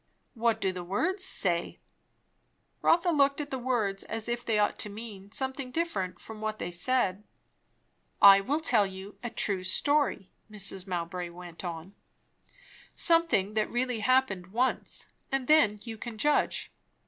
"What do the words say?" Rotha looked at the words, as if they ought to mean something different from what they said. "I will tell you a true story," Mrs. Mowbray went on. "Something that really once happened; and then you can judge.